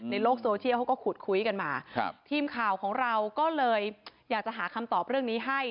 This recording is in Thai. ในโลกโซเชียลเขาก็ขุดคุยกันมาครับทีมข่าวของเราก็เลยอยากจะหาคำตอบเรื่องนี้ให้